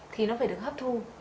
thì nó phải được hấp thu